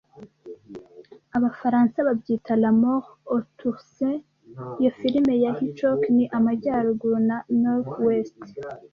Abafaransa babyita La Mort aux Trousses iyo film ya Hitchcock ni Amajyaruguru na Northwest